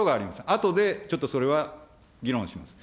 あとでちょっとそれは議論します。